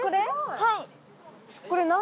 はい。